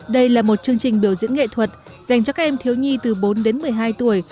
đây là một chương trình biểu diễn nghệ thuật dành cho các em thiếu nhi từ bốn đến một mươi hai tuổi